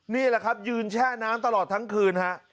นี่แหละครับยืนแช่น้ำตลอดทั้งคืนฮะ